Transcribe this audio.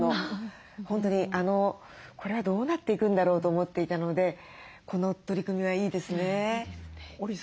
本当にこれはどうなっていくんだろうと思っていたのでこの取り組みはいいですね。